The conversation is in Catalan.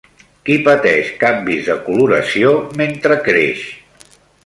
Qui pateix canvis de coloració mentre creix?